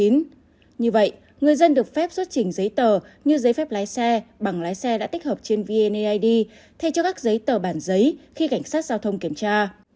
như vậy người dân được phép xuất trình giấy tờ như giấy phép lái xe bằng lái xe đã tích hợp trên vneid thay cho các giấy tờ bản giấy khi cảnh sát giao thông kiểm tra